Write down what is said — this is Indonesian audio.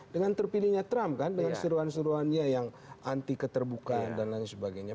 dengan terpilihnya trump kan dengan seruan seruannya yang anti keterbukaan dan lain sebagainya